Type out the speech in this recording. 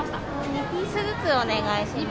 ２ピースずつお願いします。